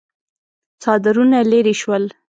څادرونه ليرې شول.